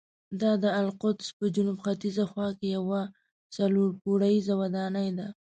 دا د القدس په جنوب ختیځه خوا کې یوه څلور پوړیزه ودانۍ ده.